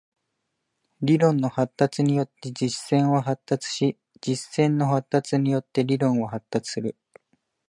理論の発達によって実践は発達し、実践の発達によって理論は発達する。